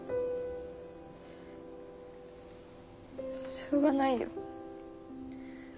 しょうがないよ。